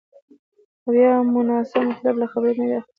او یا مو ناسم مطلب له خبرې نه وي اخیستی